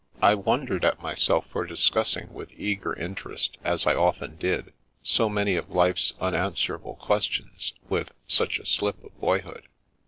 I wondered at myself for discussing with eager inter est, as I often did, so many of life's unanswerable questions with such a slip of boyhood.